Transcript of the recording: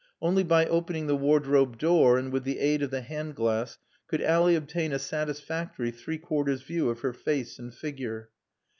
Only by opening the wardrobe door and with the aid of the hand glass could Ally obtain a satisfactory three quarters view of her face and figure.